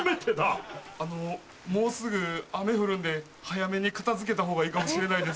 あのもうすぐ雨降るんで早めに片付けた方がいいかもしれないです。